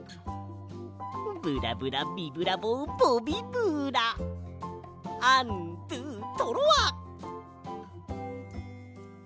ブラブラビブラボボビブラアンドゥトロワ！